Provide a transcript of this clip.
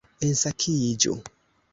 Ensakiĝu